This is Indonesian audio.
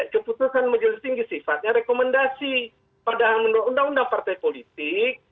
keputusan majelis tinggi sifatnya rekomendasi padahal menurut undang undang partai politik